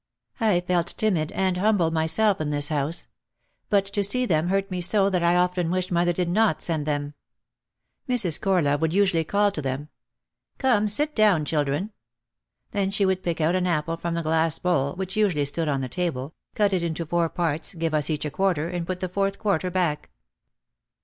I felt timid and humble myself in this house. But to see them hurt me so that I often wished mother did not send them. Mrs. Cor love would usually call to them : "Come, sit down, chil dren." Then she would pick out an apple from the glass bowl, which usually stood on the table, cut it into four parts, give us each a quarter and put the fourth quarter back.